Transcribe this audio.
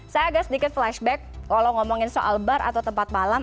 saya agak sedikit flashback kalau ngomongin soal bar atau tempat malam